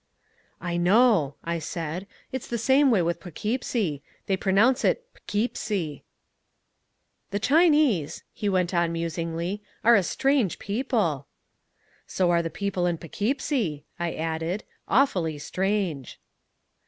"I know," I said, "it's the same way with Poughkeepsie, they pronounce it P'Keepsie." "The Chinese," he went on musingly, "are a strange people." "So are the people in P'Keepsie," I added, "awfully strange."